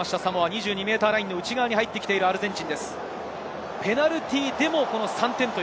２２ｍラインの内側に入ってきているアルゼンチンです。